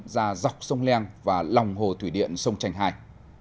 ra dọc sông leng và lòng hồ thủy điện sông trành hai